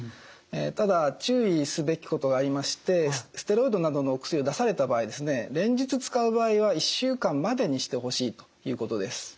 ただ注意すべきことがありましてステロイドなどのお薬を出された場合連日使う場合は１週間までにしてほしいということです。